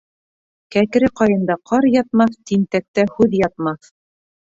Кәкре ҡайында ҡар ятмаҫ, тинтәктә һүҙ ятмаҫ.